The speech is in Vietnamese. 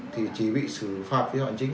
thì chỉ bị xử phạt với hoàn chính